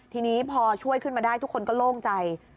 ทีนี้พอช่วยขึ้นมาได้ทุกคนก็โล่งใจ